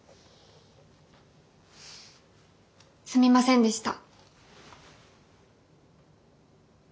すみませんでした。